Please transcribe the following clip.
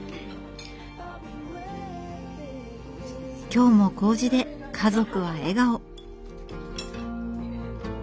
今日もこうじで家族は笑顔。